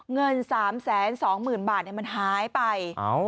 เงิน๓๒หมื่นบาทเนี่ยมันหายไป